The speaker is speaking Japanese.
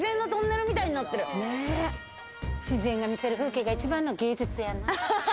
自然が見せる風景が一番の芸